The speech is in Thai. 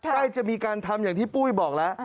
ใกล้จะมีการทำอย่างที่ปุ้ยบอกแล้ว